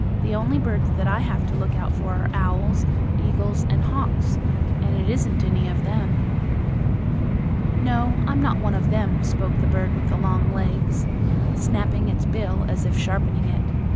The only birds that I have to look out for are owls, eagles and hawks, and it isn't any of them." "No, I'm not one of them," spoke the bird with the long legs, snapping its bill as if sharpening it.